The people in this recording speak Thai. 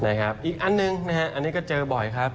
อีกอันหนึ่งอันนี้ก็เจอบ่อยครับ